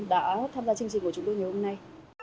đã tham gia chương trình của chúng tôi ngày hôm nay